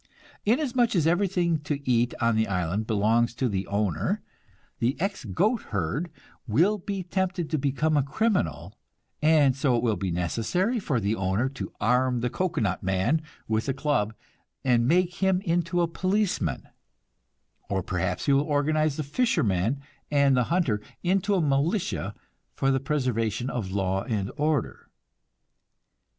Inasmuch as everything to eat on the island belongs to the owner, the ex goat herd will be tempted to become a criminal, and so it will be necessary for the owner to arm the cocoanut man with a club and make him into a policeman; or perhaps he will organize the fisherman and the hunter into a militia for the preservation of law and order.